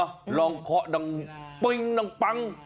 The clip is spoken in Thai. ลองเคาะดังปึ้งดังปัง